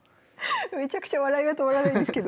めちゃくちゃ笑いが止まらないんですけど。